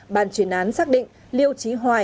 bàn chuyển án xác định liêu trí hoài